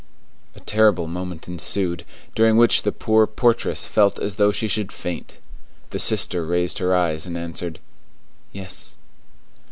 A terrible moment ensued, during which the poor portress felt as though she should faint. The sister raised her eyes and answered:— "Yes."